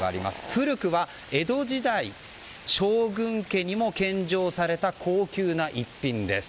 古くは江戸時代将軍家にも献上された高級な逸品です。